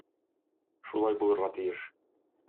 Шулай булырга тиеш.